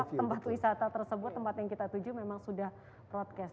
untuk memastikan bahwa tempat wisata tersebut tempat yang kita tuju memang sudah broadcast